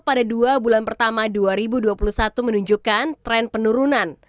pada dua bulan pertama dua ribu dua puluh satu menunjukkan tren penurunan